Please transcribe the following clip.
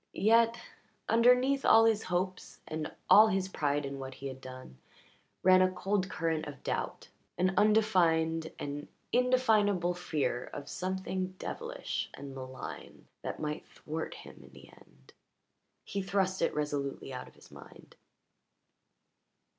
Yet, underneath all his hopes and all his pride in what he had done ran a cold current of doubt, an undefined and indefinable fear of something devilish and malign that might thwart him in the end. He thrust it resolutely out of his mind.